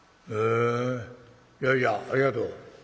いやいやありがとう。